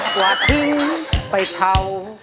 กว่าทิ้งไปเผา